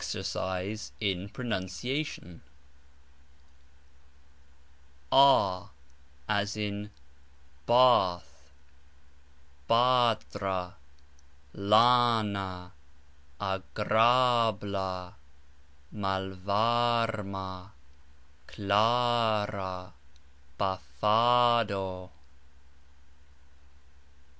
EXERCISE IN PRONOUNCIATION. a (as in bAth), PAT ra, LA na, a GRA bla, mal VAR ma, KLA ra, pa FA do.